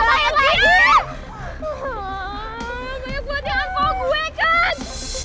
udah banyak banget yang ngehujat gue kan